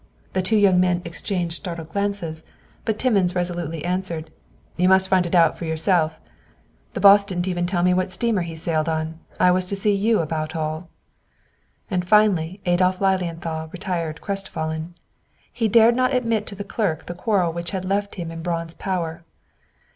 The two young men exchanged startled glances, but Timmins resolutely answered, "You must find it out for yourself. The boss didn't even tell me what steamer he sailed on. I was to see you about all." And finally Adolph Lilienthal retired crestfallen. He dared not admit to the clerk the quarrel which had left him in Braun's power.